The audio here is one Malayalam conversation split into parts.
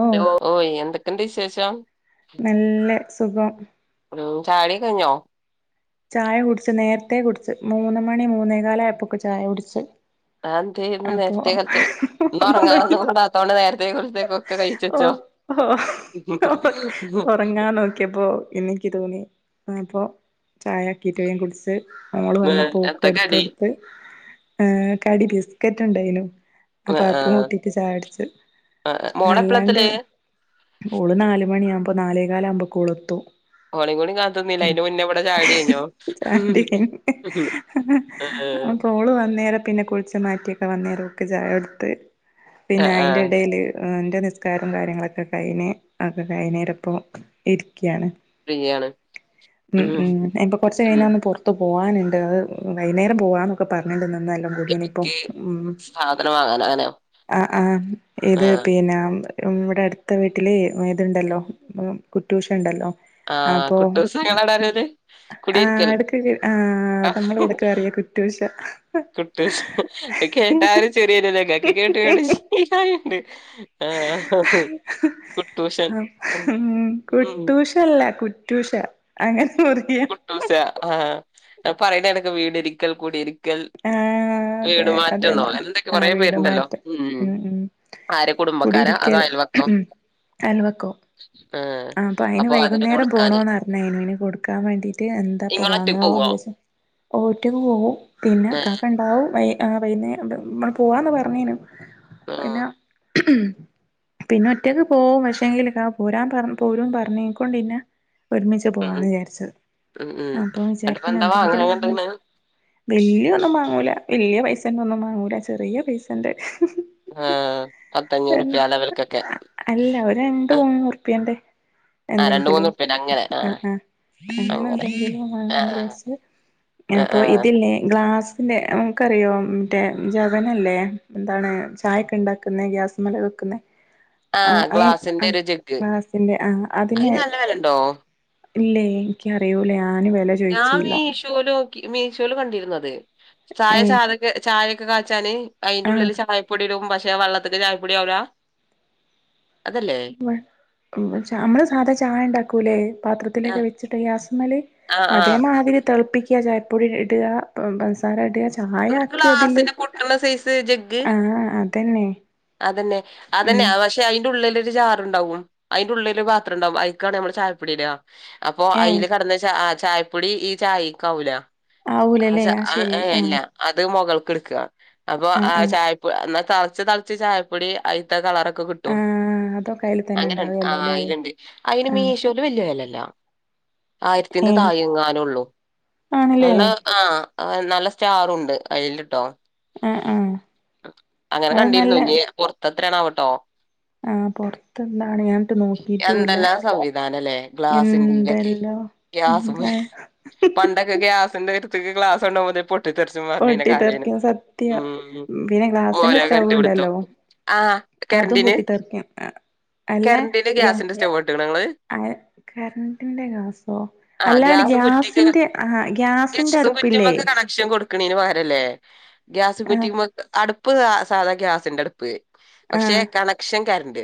ഓ [unintelligible] ഓയ് എന്തൊക്കെണ്ട് വിശേഷം? നല്ല സുഖം. ഒരു ചായൊടി കഴിഞ്ഞോ? ചായ കുടിച്ച്, നേർത്തെ കുടിച്ച് മൂന്ന് മണി മൂന്നേകാല ആയപ്പൊക്ക് ചായ കുടിച്ച്. ആഎന്തേ ന്ന് അപ്പൊ നേര്ത്തേ കാലത്ത് ഇന്ന് ഒന്നുല്ല ഉറങ്ങാന്നും കൂടാത്തോണ്ട് നേർത്തേ [unintelligible] കഴിച്ച്വെച്ചൊ. ഒഹോ. ഒറങ്ങാൻ നോക്കിയപ്പോ ഇനി ഇക്ക് തോന്നി അപ്പോ ചായക്കിയിട്ട് വേഗം കുടിച്ച് മോള് വന്നപ്പോ ഓക്ക് നേരത്തെ എടുത്ത് കൊ കടി ടുത്ത് ഏഹ്‌ കടി ബിസ്കറ്റ് ണ്ടായിനു അപ്പൊ ആഹ് അതും ആഹ് കൂട്ടിട്ട് ചായടിച്ച്. ആഹ് അല്ലാണ്ട് മോളെപ്പളെത്തല് ഓള് നാല് മണിയവുമ്പോ നാലേകാല് ആവുംമ്പക്ക് ഓളത്തും. ഓളീം കൂടെ കാത്ത്ന്നില്ല അയിന്റെ മുന്നേ ഇവടെ ചായൊടി കഴിഞ്ഞോ. ചാടി കഴിഞ്ഞ് ആഹ് ഓള് വന്നേര പിന്നെ കു ളിച്ചു മാറ്റിയൊക്കെ വന്നേര ഓക്ക് ചായടുത്ത് പിന്നെ ആഹ് അയിന്റെ ആഹ് ഇടെല് ൻ്റെ നിസ്കാരം കാര്യങ്ങളൊക്കെ കൈനെ ഒക്കെ കൈനേരപ്പോ ഇരിക്കാണ്. ഫ്രീയാണ് ഉം ഉം ഇപ്പൊ ഉം കൊർച്ചഴിഞ്ഞാന്ന് പൊർത്ത് ത്ത് പോവാന്ണ്ട് അത് വൈന്നെരം പോവാം ന്നൊക്കെ പറഞ്ഞിണ്ട് [unintelligible] ഇപ്പോ ക്ക് ഉം സാധനം വാങ്ങാനാ അങ്ങനെയോ ആ ആ ഏത് ആഹ് പിന്നെ ഇവിടെ അടുത്ത വീട്ടില് ഇതുണ്ടല്ലോ കു റ്റൂഷ ഉണ്ടല്ലോ. ആഹ് അപ്പൊ കുട്ടൂസങ്ങളാണോ വരല് ആ കുടിയിരിക്കൽ അടക്ക് ആ നമ്മളെ ഇവിടക്കറിയ കു റ്റൂഷാ കുറ്റുശ കേട്ടാ ൽ ചിറിവരല്ലോ കേട്ടു കേട്ട് കേട്ട് ശീലയി ണ്ട് ആഹ കുട്ടുഷൻ ഉം ഉം ല്ല കുറ്റൂഷ അങ്ങനെ മുറിയ കുട്ടൂഷ ആ പറയണ എടക്ക് വീട് രിക്കൽ കടി രിക്കൽ ആ അതെ അതന്നെ എന്തൊക്കെ ആ കൊറേ വീട് പേരുണ്ടല്ലോ മാറ്റം ഉം ഉം ആരെ കുടുംബക്കാരാ അതോ കുടിയിരിക്കൽ [inaudible] അൽവക്കോ ആഹ ആ അപ്പ അന് വൈകുന്നേരം പോണോന്ന് പറഞ്ഞ അന് ഇന് കൊടുക്കാൻ വേണ്ടീട്ട് എ അപ്പ ഇങ്ങള് ഒറ്റക്ക് വാങ്ങാന്ന് പോവോ വിചാരിച്ചു ഒറ്റക്ക് പോകും പിന്നെ ആഹ് കാക്ക ഉണ്ടാവും ആഹ വൈനേരം മ്മൾപോവാന്ന് പറഞ്ഞേനു പിന്നെ ഉം പിന്നെ ഒറ്റക്ക് പോവും പക്ഷെങ്കില പോരാൻ പറഞ്ഞ പോരും പറഞ്ഞക്കൊണ്ട ഇന്നെ ഒരുമിച്ച് ഉം പോവാന്ന് വിചാരിച്ചത് ഉം ഉം അപ്പോ എന്നിട്ടിപ്പ വിചാരിക്കുന്ന എന്താ വാങ്ങാൻ എന്തെങ്കിലും കൊണ്ടോന്നെ ആഹ് വല്യ ഒന്നും വാങ്ങൂല വല്യ പൈസന്റെ ഒന്നും വാങ്ങൂല ചെറിയ പൈസന്റെ ആഹ പത്തഞ്ഞൂറ് പ്യ അ ലെവൽക്കൊക്കെ അല്ല ഒര് രണ്ട് മൂന്നുറുപ്പിയണ്ട്. ആഹ് രണ്ട് എന്തെങ്കിലും മൂന്നുറുപ്യേന്റെ അങ്ങനെ ആ ആഹ് ആ അങ്ങനെ എന്തെങ്കിലും വാങ്ങാന്ന് ആഹ് വിചാരിച്ചു ആ അപ്പൊ ആ ഇതില്ലേ ഗ്ലാസ് പിന്നെ നമുക്കറിയോ മറ്റേ ജവനല്ലേ എന്താണ് ചായൊക്കെ ഉണ്ടാക്കുന്നത് ഗ്യാസ് മല വെക്കുന്ന ആഹ ഗ്ലാസിന്റെ ഒരു ജഗ്ഗ് ഗ്ലാസിന്റെ ആഹ് അതിന് നല്ല വിലഉണ്ടോ ഇല്ലേ എനിക്ക അറിയൂല്ലേ ഞാന് വില ഞാൻ മീശോല് നോക്കി മീശോല് കണ്ടിരുന്നത് അത് ചായ ഏഹ് ചായൊക്കെ കാച്ചാന് ആഹ് അയിന്റുള്ളില് ചായ പ്പൊടിടും പക്ഷെ വെള്ളത്തിക്ക് ചായപ്പൊടി ആവൂലാ അതല്ലേ വ അമ്മ ച അമ്മള് സാധാ ചായ ഉണ്ടാക്കൂല്ലേ ആ പാത്രത്തിലൊക്കെ വെച്ചിട്ട് ഗ്യാസിമല് ആ ആ അതേമാതിരി തിളപ്പിക്കുക ചായപ്പൊടി ഇട ഇപ്പ പൻസാര അത്യ ചായ ഒരു ആക്ക് അതില് ഗ്ലാസിന് പൊട്ടണ സൈസ് ജഗ്ഗ് ആഹ് അതന്നെ അതന്നെ അതന്നെ ഉം ആഹ് വർഷ് പക്ഷെ അതിന്റെ ഉള്ളിലൊരു ജാർ ഉണ്ടാവും അതിന്റെഉള്ളിൽ ഒരു പാത്രം ഉണ്ടാവും ആയിക്കാണ് നമ്മള് ചായപൊടിഇട അപ്പൊ അയിൽ ഏഹ് കടന്ന ച അ ചായപ്പൊടി ഈ ചായക്കാവൂല അഹ് ആവൂലല്ലേ ച ആഹ് അ ശരി ഏല്ല ആഹ് അത് മുകൾക്ക് ഇടുക്കുക അപ്പൊ ആഹ് ആ ആഹ് ചായപ്പ് എന്നാ തിളച് തൾ കുറച്ചു ചായപ്പൊടി അയിത്തെ കളറൊക്കെകിട്ട് ടും ആഹ് അതൊക്കെ അതിൽ തന്നെ അങ്ങന ആ ഉണ്ടാവല്ലോല്ലേ അയിലുണ്ട് അയിന് ആഹ് മീശോ അയിന് വല്യ വെലല്ല ആയിരത്തിന്റെ ഏഹ് താഴെങ്ങാനള്ളൂ ആണല്ലേ നല്ല ആഹ് നല്ല സ്റ്റാറുണ്ട് ആയില്ലിട്ടോ എഹ് ഏഹ് അത് നല്ലയാ പൊർത് എത്രയാണാവട്ടോ ആഹ് പൊർത്ത് എന്താണ് ഞാനിട്ട് നോക്കിട്ടുല്ല എന്തെല്ലാം സംവിധാനല്ലേ ഗ്ലാസിന്റെലൊക്കെ എന്തെല്ലോ ഉം ഗ്യാസും ആഹ് പണ്ടൊക്കെ ഗ്യാസിന്റെ അടുത്തേക്ക് ഗ്ലാസ്സ് കൊണ്ടുപോകുമ്പോ പൊട്ടിത്തെറിച്ച് [unintelligible] കാലേനു പൊട്ടിത്തെറിക്കും സത്യം ഉം പിന്നെ ഗ്ലാസിന്റെ [unintelligible] സ്റ്റവ് റ്റി കൊടുത്തോ ഉണ്ടല്ലോ ആ അതും കറന്റിന് പൊട്ടിത്തെറിക്കും കറന്റിന്റെ ഗ്യാസിന്റെ സ്റ്റവ് കേട്ട്ക്ണോ ഇങ്ങള് അങ്ങനെ കറന്റിന്റെ ഗ്യാസോ ആ അല്ലാണ്ട് ഗ്യാസ് കുറ്റിക്ക് ഗ്യാസിന്റെ ആ ഗ്യാസ് സിന്റെ ഗ്യാസും അടുപ്പില്ലേ കുറ്റിമ്മക്ക് കണക്ഷൻ കൊടുക്കണന് പകരല്ലേ ഗ്യാസ് ആ കുറ്റിമ്മെ അടുപ്പ് സാധാ ഗ്യാസിന്റെ അടുപ്പ് ആ പക്ഷെ കണക്ഷൻ കറന്റ്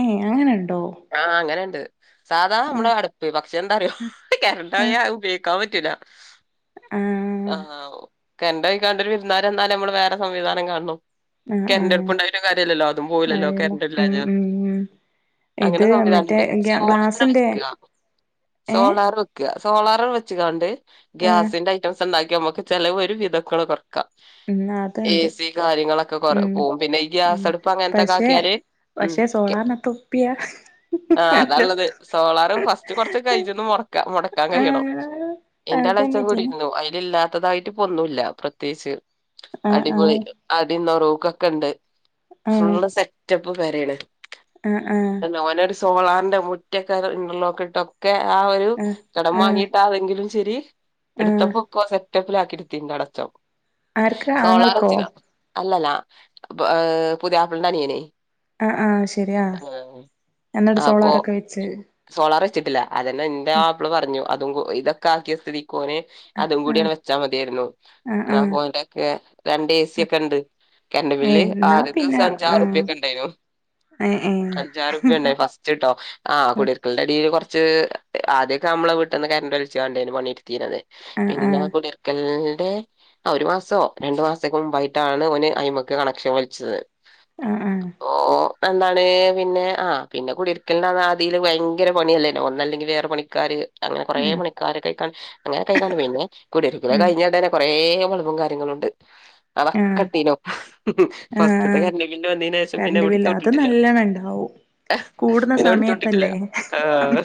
ഏഹ് അങ്ങനെ ഉണ്ടോ ആഹ് അങ്ങനണ്ട് സാധാണ നമ്മടെ അടുപ്പ് പക്ഷെ എന്താറിയോ ആ കറന്റ്‌ആയ ഉപയോഗ ക്കാൻ പറ്റൂല ആ ആഹ് ഓ കറന്റ്‌പോയി കൊണ്ട് വിരുന്നാല് വന്നാല് നമ്മള് വേറെ സംവിധാനം കാണണം ആ ആ കറന്റ്‌ അടുപ്പ് ഉണ്ടായിട്ട് കാര്യല്ലല്ലോ അതും പോവുലലോ കാര്യല്ല ഉം കറന്റ്ല്ലാഞ്ഞാ ഉം ഉം അങ്ങനെ ഇത് മറ്റേ സംവിധാനണ്ട് സോളാർ ഗ്ലാസിന്റെ വെക്ക ഏ സോളാർ ക്ക സോളാർ വെച്കാണ്ട് ആ ഗ്യാസിന്റെ ഐറ്റംസ് ഉണ്ടാക്കി നമുക്ക് ചെലവ് ഒരു വിധക്കണ് കുറക്കാ ഉം അത് ഇണ്ട്! കാര്യങ്ങളൊക്കെ കൊറ പോവും പിന്നെ ഈ ഗ്യാസടുപ്പ് അങ്ങനത്തെയൊക്കെ പക്ഷെ ആക്കിയാല് ഉം പക്ഷെ കെ സോളാർനെ തൊപ്പിയാ ആ. ഹലോ അതാള്ളത് സോളാറ് ഫസ്റ്റ് കൊറച്ച് ഒക്കെ കഴിജ്ന്ന് മൊട് ക്ക മുടക്കാൻ കഴിയണം ആഹ് എന്റെ അളച്ചൻ അതന്നെ പിന്നെ കുടിരുന്നു അയിൽ ഇല്ലാത്തതായിട്ട് പ്പൊന്നുല്ല പ്രത്യേകിച്ച് ആഹ് അടിപൊളി അദ്യം നൊറൂകൊക്കെ ഉണ്ട് ആഹ് ഫുള്ള് സെറ്റപ്പ് പെരേണ് ആഹ് ആഹ് അന ഓനൊരു സോളാറിന്റെ മുറ്റൊക്കെ ഇന്റർലോക്ക് ഇട്ട് ഒ ഒക്കെ ആ ഒരു ആഹ് കടം ആഹ് ആഹ് വാങ്ങിയിട്ട് ആതെങ്കിലും ശരി ആഹ് എടുത്തപ്പൊ ഒക്കെ സെ റ്റപ്പിലാക്കിട്ട് പിന്നടച്ചോ ആർക്ക് ആങ്ങൾക്കോ സോളാറച്ചക്കാ അല്ലല്ല പ അ് പുത്യാപ്ലൻ്റനിയന് ആഹ് ആഹ് ശരിയാ എന്നിട്ട അപ്പൊ സോളാറൊക്കെ വെച്ച് സോളാർ വെച്ചിട്ടില്ല അതന്നെ എന്റെ മാപ്പിള പറഞ്ഞു അതും ഇതൊക്കെ ആക്കിയ സ്ഥിതിക്കൊന് അതും ആഹ് കൂടിയാണ് വെച്ചാ മതിയായിരുന്നു ആഹ് എന്നാ ആഹ് ഓന്റെക്കെ രണ്ട് എ സി ഒക്കെ ഉണ്ട് കറന്റ്‌ബില്ല് ഏഹ് എന്നാ ആദ്യ പിന്നെ ദിവസം അഞ്ചാറ് ആഹ് റുപ്പിക ഒക്കെ ഉണ്ടായിരുന്നു ഏഹ് ഏഹ് അഞ്ചാറ് റുപ്പിക ഉണ്ടായി ഫസ്റ്റ്! ! ച്ച്ട്ടോ ആഹ് കുടിര് ക്കളുടെ ഇതീൽ കുറച്ച് ആദ്യയായിട്ടാ അമ്മളെ വീട്ടീന്ന് കറന്റ്‌ വലിച്ച്കാണ്ടഴ്നു പണിട്ത്തീനത് ആഹ് പിന്നെ ആഹ് [unintelligible] കൂടി [unintelligible] ആ ഒരു മാസോ രണ്ടു മാസക്കെ മുമ്പായിട്ടാണ് ഒന് അയിമക്ക് കണക്ഷൻ വലിച്ചത്. ആഹ് ഓ എന്താണ് പിന്നെ ആഹ് പിന്നെ കുടീര്ക്കല്ണ്ട അന്നാതിൽ ഭ ഭയങ്കര പണി അല്ലെനു ഒന്നല്ലെകിൽ വേറെ പണിക്കാര് അങ്ങനെ കുറെ ആഹ് പണി. കാരെകേക്കണ് അങ്ങനെ കഴിക്ക പിന്നെ കുടിയരിക്കില് ഉം കഴിഞ്ഞാ തന്നെ കൊറേ ബൾബും കാര്യങ്ങളുണ്ട്. ആഹ് അതക്കട്ടീനു ഫസ്റ്റ്ത്തെ ആഹ് കര്ൻ്റും ബില്ല് വന്നേനേഷം പിന്നെ കറണ്ട് ബില്ല് അത് എവ്ട്ത്തൊട്ടിട്ടില്ല നല്ലോണം ഇണ്ടാവും കൂടുന്ന സമയത്തല്ലേ ആഹ്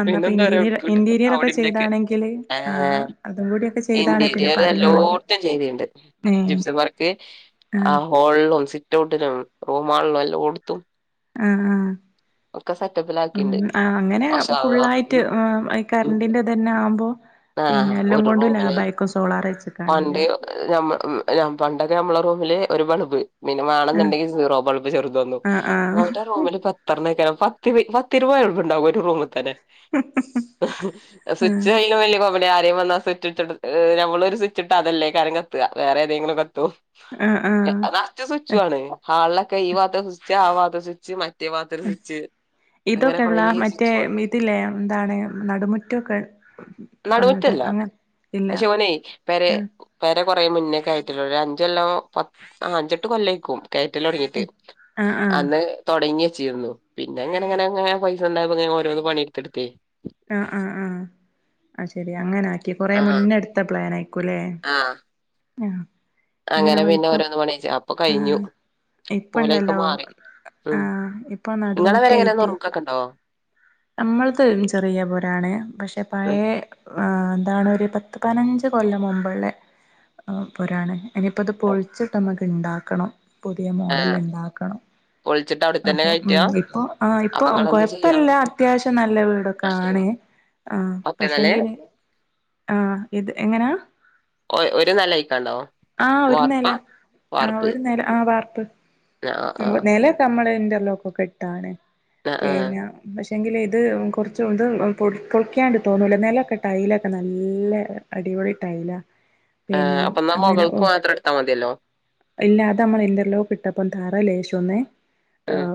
എന്ന ഇപ്പൊ പിന്നെന്താ പറയാ ഇന്റീരിയർ എടുത്തുവിട്ടില്ല ഇന്റീരിയർ ഒക്കെ അവിടെ ഇവിടെയൊക്കെ ചെയ്താണെകിൽ ആഹ്. അതും കൂടി. ഇന്റിരിയർ എല്ലോട്ത്തും ചെയ്ത്ണ്ട് ഏ ജിപ്സം വർക്ക്‌ ആ ആഹ്. ഹോള്ലും സിറ്റ് ഔട്ടിലും റൂമാ ആളിലും എല്ലോട്ത്തും. ആഹ് ആഹ് ഉം സെറ്റപ്പിലാക്കിണ്ട് ആഹ് അങ്ങനെ മാഷാ ഫുള്ളായിട്ട് ഉം ഈ അല്ലാഹ് കർൻ്റിന്റെ പിന്നെ ആവുമ്പോ ആഹ് പിന്നെ എല്ലാം ഒരു കൊണ്ടും റൂമില് ലാഭായിക്കും സോളാർ പണ്ട് വെച്ച്ക്കാണെങ്കില് പണ്ടൊക്കെ നമ്മളെ റൂമില് ഒരു ബൾബ് പിന്നെ ആ മാണന്ന്ണ്ടെങ്കില് സീറോ ബൾബ് ചെറുത്‌ ഒന്നും ആ ആ അവന്റെ റൂമില് ക അത്തറിനക്കെ പത്ത് പത്ത് രൂപ ഉള്ളു ഉണ്ടാവും ഒരു റൂമ്ക്ക് തന്നെ സുച്ച് അയിന് വലിയ അവിടെ ആരെയും വന്നാ സിറ്റ് ഇട്ട് നമ്മളൊരു സുച്ചിട്ടാ അതല്ലേക്കാരം കത്തുക വേറെ ഏതെങ്കിലും കത്തും ആഹ് ആഹ് അത് അസ് സുച്ചു ആണ് ഹാളൊക്കെ ഈ വാത്തെ സുച്ച് ആഹ് വാത്തെ സുച്ച് മ മറ്റേ [unintelligible] സ്വിച്ച് അങ്ങനെ കുറേ ഇതൊക്കെള്ള മറ്റേ സ്വിച്ച് ബോർഡ്ണ്ട് ഇതില്ലേ എന്താണ് നടുമുറ്റൊക്കെ വന്നിട്ട് നടുമുറ്റല്ല അങ്ങ ഇല്ല പക്ഷെ ഒന് പേരെ ആഹ് പെരെ കുറേ മുന്നേക്കെ ആയിട്ടുള്ള അഞ്ചൊല്ലോ പത്ത് അഞ്ചെട്ട് കൊല്ലയ്ക്കു. കയറ്റല് തുടങ്ങിട്ട് ആഹ് ആഹ് അന്ന് തൊടങ്ങി വച്ചിരുന്നു പിന്നെങ്ങനെങ്ങനെങ്ങനെ പൈസണ്ടായപ്പം ഓരോന്ന് പണിട്ത്ത്ട്ത്തെ ആഹ് ആഹ് ആഹ് ആ ശരി അങ്ങനാ കൊറെ ആഹ് മുന്ന് എടുത്ത പ്ലൻ ആയിക്കുല്ലേ, ആഹ് ഉം അങ്ങനെ പിന്നെ ഓരോന്ന് പണിയിച്ച് അപ്പൊ കഴിഞ്ഞു. ഓല് അയിക്ക് ഇപ്പണ്ടല്ലോ മാറി ഉം ആഹ് ഇപ്പൊ നിങ്ങളെ പേര എങ്ങനെയ നുറുക്കൊക്കെ ഉണ്ടോ നമ്മൾ തും ചെറിയ പോരാണ് പക്ഷെ പഴയ എന്താണ് ഒരു പത്ത് പതിനഞ്ച് കൊല്ലം മുമ്പുള്ള പൊരാണ് ഇനിപ്പ അത് പൊളിച്ചിട്ട് നമ്മക്ക് ഇണ്ടാക്കണം പുതിയ മോഡല് ആഹ് ഇണ്ടാക്കണം. പൊളിച്ചിട്ട് അവിടെ തന്നെ അപ്പൊ ഉം കഴിക്കാ ഇപ്പൊ ആ ഇപ്പൊ അപ്പൊ നിങ്ങളെന്താ ചെയ്യാ കൊഴപ്പില്ല അത്യ അത്യാവശ്യം നല്ല വീടൊകാണ് ആഹ് ഒറ്റ നില പക്ഷെങ്കില് ആഹ് ഇത് എങ്ങനാ ഒരു നിലയിക്കാണ്ടോ ആഹ് വാർപ്പാ ഒരുന്നെലം ആ വാർപ്പ് ഒരുന്നെലം ആഹ് വാർപ്പ് ആഹ് ആഹ് നിലം ഒക്കെ നമ്മള് ഇന്റർലോക്കക്കെ ഇട്ടാണ് ആഹ് ആഹ് പിന്നെ ക്ഷേ എങ്കിലെ ഇത് കുറച്ച് ഇത് പൊ പൊളിക്കാണ്ടി തോന്നുല്ലേ, നെലൊക്കെ ടൈലൊക്കെ നല്ലെ അടിപൊളി ടൈല്ലാ ആ അപ്പൊ മോഗൾക്ക് മാത്രം എടുത്താൽ മതിയല്ലോ. ഇല്ല അത് നമ്മള് ഇൻ്റർലോക്ക് ഇട്ടപ്പം താറ ലേശം ഒന്ന് ഉം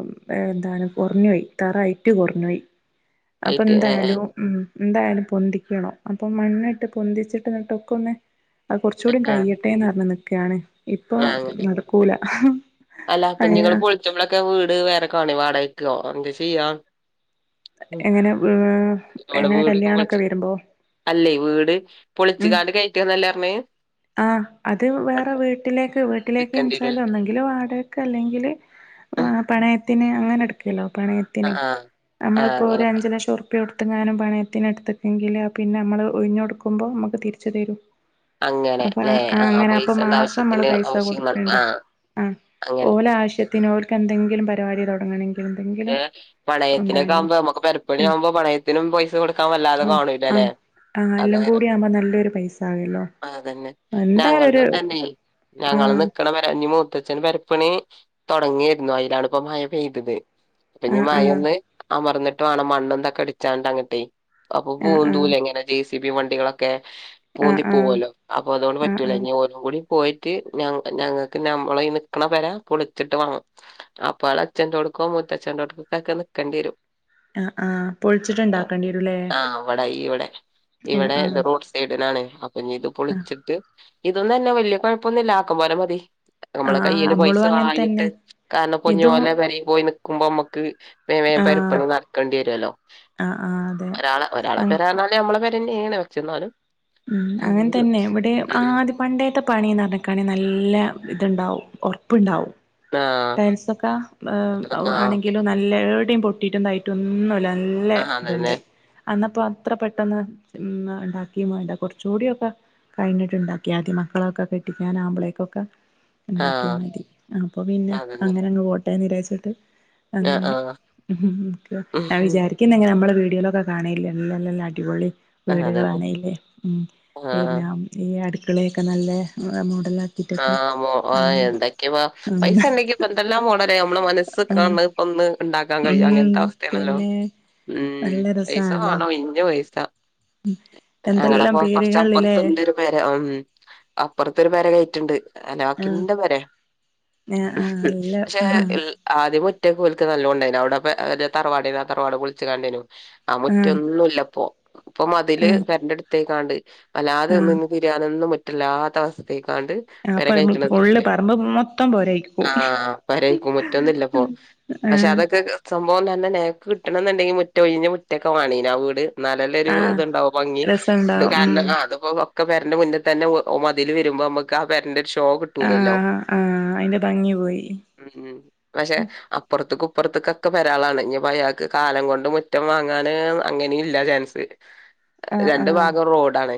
എന്താണ് കുറഞ്ഞു പോയി തറ ഹൈറ്റ് കുറഞ്ഞുപോയി അപ്പൊ ഹൈറ്റ് ഏഹ് എന്തായാലും ഉം എന്തായാലും പൊന്തിക്കണം അപ്പൊ മണ്ണിട്ട് പൊന്തിച്ചിട്ട് ഇന്ന്ട്ടൊക്കൊന്ന് അത് കുറച്ച ഏഹ് കൂടി ആഹ് കഴിയട്ടേന്ന് പറഞ്ഞ് നികണ്. ഇപ്പൊ ആഹ് നടക്കൂല അങ്ങനാ ചറ്റ്പളൊക്കെ വീട് വേറെ കാണുമോ വാടകക്കോ എന്താ ചെയ്യാം എങ്ങനെ ഏഹ് എങ്ങനെ വീടൊക്കെ കല്യാണൊക്കെ പൊളിച്ച് വരുമ്പോ അല്ലേ വീട് പൊളിച്ച ഉം കാണ്ട് കയറ്റുല്ലാന്നല്ലേ പറഞ്ഞേ ആഹ് അത് വേറെ വീട്ടിലേക്ക് വീട്ടിലേക്ക് നിക്കണ്ടി ഇൻച്ചാല് വരും ഒന്നെങ്കിലും ആടെ ഇടക്ക ല്ലെങ്കിൽ പണയത്തിന് അങ്ങനെ എട്ക്കല്ലോ പണയത്തിന് ആ ആഹ നമ്മളിപ്പോ ഒരു അഞ്ച് ലക്ഷം ഇപ്പ എടുത്ത്ങ്ങാനും പണയത്തിന് എടുത്തക്കെങ്കിൽ പിന്നെ നമ്മൾ ഒഴിഞ്ഞുകൊടുക്കുബോൾ നമുക്ക് തിരിച്ചു തരും അങ്ങനെ അപ്പൊ ല്ലെ ആഹ് അങ്ങനെ അപ്പൊ പൈസന്റെ മാസം നമ്മള് ആവശ്യത്തിന് പൈസ ആവശ്യങ്ങൾ കൊടുക്കണ്ട ആഹ് ആ അങ്ങനെ ഓലെ ആവശ്യത്തിന് ഓല്ക്കെന്തെങ്കിലും പരിപാടി തുടങ്ങണെങ്കിലെന്തെങ്കിലും പണയത്തിന് ആകുമ്പോ നമു പെരുപ്പണിയ ആവുമ്പോ പണയത്തിനും പൈസ കൊടുക്കാൻ വല്ലാതെ ആഹ് കാണൂല്ല അല്ലെ ആഹ് ആഹ് എല്ലാം അതായ കൂടി ആകുമ്പോ നല്ലൊരു പൈസ ആകല്ലോ അതന്നെ എന്തായാലും ഒരു ഞങ്കൾന്നും തന്നെ ഞങ്ങള് ആഹ് നിക്കണ പെര അഞ്ഞ് മൂത്തച്ഛന് പെരപണി തുടങ്ങിയായിരുന്നു അതിലാണ്പ്പോ മഴ പെയ്തത് അപ്പൊ ഇനി ആഹ് ആഹ് മയൊന്ന് അമർന്നിട്ട വേണം മണ്ണ എന്തൊക്കെ അടിച്ചാണ്ട് അങ്ങട്ടെ അപ്പൊ ആഹ് പൂന്തൂല ആഹ് എങ്ങനെ ജെ സി ബി വണ്ടികളൊക്കെ ആഹ് ആഹ് പൂന്തി പോവല്ലോ അപ്പൊ അതുകൊണ്ട് ആഹ് പറ്റൂല ആഹ് ഇനി ഓരും കൂടി പോയിട്ട് ഞങ്ങൾക്ക് ഞമ്മളെ നിക്കണ പെര പൊളിച്ചിട്ട് വാങ്ങും അപ്പ ആളച്ഛന്റോട്ക്കോ മൂത്തച്ഛന്റോടുക്കോ ഒക്കെ നിക്കേണ്ടിരും ആ ആ പൊളിച്ചിട്ട്ണ്ടാക്കേണ്ടിരുല്ലേ ആ അവിടെ ഇവിടെ ഇവിടെ ഇത് റോഡ് സൈഡിനാണ് അപ്പൊ ഇ ഇത് പൊളിച്ചിട്ട് ഇതൊന്നും തന്നെ വലിയ കുഴപ്പമൊന്നും ഇല്ല ആക്കം പോലെ മതി നമ്മളെ ആഹ് ആഹ് കൈയ്യില് പൈസ നമ്മളും അങ്ങനെ ആയിട്ട് തന്നെ കാരണം പൊഞ്ഞു ഇതും പോലെ പെരിം പോയി നിക്കുമ്പോ മ്മക്ക് വേം വേം ആഹ് പെരപ്പണി ന ക്കണ്ടി വരൊല്ലോ ആഹ് ആഹ് അതെ ഒരാള ഒരാളെ അങ് പേരെർഞ്ഞാല് നമ്മളെ പെരന്നെണ് പക്ഷെ ന്നാലും ഉം അങ്ങൻ തന്നെ ഇവിടെ ആദ്യ പണ്ടേത്തെ പണിന്ന് പറഞ്ക്കാണെ നല്ല ഇത്ണ്ടാവും ഒർപ്പ്ണ്ടാവും ആ ടയിൽസൊക്കെ ആ ആണെങ്കിലും നല്ല എവ്ടിം പൊട്ടിയിട്ടും തായിട്ടൊന്നുല്ല നല്ല ആ അതന്നെ ഇതുണ്ട് അന്നപ്പോ അത്ര പെട്ടെന്ന് ഉണ്ട വേണ്ട കൊർച്ചുകൂടി ഒക്കെ കഴിഞ്ഞിട്ടുണ്ടാക്കി ആദ്യം മക്കളൊക്കെ കെട്ടിക്കാൻ ആകുമ്പോളേക്കൊക്കെ ആ ഉണ്ടാക്കിയ മതി അപ്പൊ പിന്നെ അതന്നെ അങ്ങനെ അങ്ങ് പോട്ടെന്നിരാച്ചിട്ട് ആ അങ്ങനെ ആ ഉം ഞാൻ ഉം. വിചാരി പിന്നെ എങ്ങനെ നമ്മള് വീഡിയോയിലൊക്കെ കാണെല്ലെ നല്ല നല്ല അടിപൊളി ആ അതന്നെ വീടുകളാണേ ഉം ആ പിന്നെ ഈ അടുക്കളെക്കെ നല്ല മോടല ആഹ് എന്തൊക്കെയ പൈസ ഉണ്ടെങ്കിപ്പൊ എന്തെല്ലാ മോഡല നമ്മളെ മനസ്സ് ഉം കാൺണ ഒന്ന് ഇണ്ടാക്കാൻ ഉം കഴിയും അങ്ങൻത്തെ അവസ്ഥയാണല്ലോ പിന്നെ ഉം നല്ല പൈസ രസാണല്ലോ വാണ ഒഴിഞ്ഞ പൈസ എന്തെല്ലാം ഞങ്ങളപ്പോ പേരുകളില്ലേ കൊർച്ചപ്പൊർത്ത്ണ്ടരു പെര ഉം അപ്പൊർത്തരു പെര കഴറ്റ്ണ്ട് ആഹ് ഹലാക്കിന്റെ പെരെ ആഹ് ആഹ് അല്ല പക്ഷെ ആഹ് ഇ ആദ്യം മുറ്റക്കൊൽക്ക് നല്ലോണ്ടായിനു അവ്ടെ പ്പൊ തറവാടേനു ആ തറവാട് പൊളിച്ച്കാണ്ടേനു ആ ആഹ് മുറ്റൊന്നുല്ലപ്പൊ ഇപ്പൊ മതില് ആഹ് പെരന്റെട്ത്ത്ക്കാണ്ട് വല്ലാതെ ആഹ് നിന്ന് നൊന്നും മുറ്റല്ലാത്ത അവസ്ഥയക്കാണ്ട് പെര അപ്പൊ കഴറ്റ്ണത് ഫുള്ള് പറമ്പ് മൊത്തം പോരായിരിക്കും ആഹ് പെരേക്ക് മുറ്റൊന്നുല്ല ഇപ്പൊ പക്ഷെ ആഹ് അതൊക്കെ സംഭവം തന്നെ നേക്ക് കിട്ടണന്നുണ്ടെങ്കിൽ മുറ്റ ഒഴിഞ്ഞ മുറ്റക്കെ വേണീന് ആ വീട് ന്നാലല്ലൊരു ആഹ് ഇതുണ്ടാവും ഭംഗി ഇത് രസണ്ടാവും ഉം കാര അത്. അപ്പൊ ഒക്കപെരന്റെ മുന്നിൽ തന്നെ ഓ മതിൽ വരുമ്പോ നമുക്ക് ആ പരന്റെ ഒരു ഷോ കിട്ടൂലല്ലോ ആഹ ആഹ അതിന്റെ ഭംഗി പോയി. ഉം ഉം പക്ഷെ അപ്പൊർത്ത്ക്കു ഇപ്പൊർത്ത്ക്കൊക്കെ പെരാളാണ് ഇഞ്പ്പയാൾക്ക് കാലം കൊണ്ട് മുറ്റം വാങ്ങാൻ അങ്ങനില്ല ചാൻസ് ആഹ് രണ്ടു ആഹ് ഭാഗം റോഡാണ്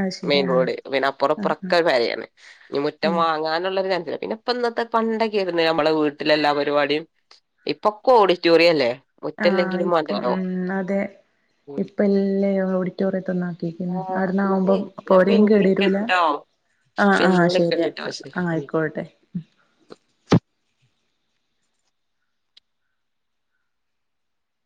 അത് ശരി മെയിൻ ആഹ് റോഡ് പിന്നെ അപ്പുറ ഇപ്പുറ ആഹ് ആഹ് കാര്യാണ് ഇഞ് മുറ്റം ഏഹ് വാങ്ങാനുള്ളരു ചാൻസില്ല പിന്നെ ഇപ്പൊ ഇന്നത്തെ പണ്ടൊക്കെ ആയിരുന്നു ഞമ്മളെ വീട്ടിലെല്ലാ പരിപാടിയും ഇപ്പൊക്കെ ഓഡിറ്റോറിയല്ലേ ആഹ് ഇപ്പം ഉം അതെ ഉം ഇപ്പ [unintelligible] ഓഡിറ്റോറിയത്ത്ന്ന് ആക്കിക്ക്ണ് ആ അവ്ട്ന്ന് ആവുമ്പോ എന്നാലേ ഞാൻ പോരീം പിന്നെ കേടരൂല വിളിക്കട്ടോ [inaudible] ആ ആ ശരി വിളിക്കണ്ടിട്ടോ ആ ശരി ആയിക്കോട്ടെ.